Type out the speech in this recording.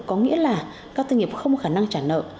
có nghĩa là các doanh nghiệp không có khả năng trả nợ